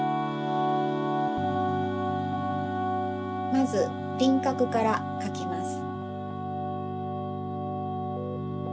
まずりんかくからかきます。